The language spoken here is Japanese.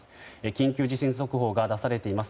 緊急地震速報が出されています。